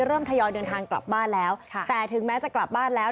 ทยอยเดินทางกลับบ้านแล้วแต่ถึงแม้จะกลับบ้านแล้ว